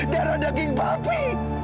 darah daging papi